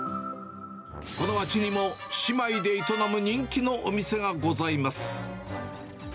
この町にも姉妹で営む人気のお店がございます。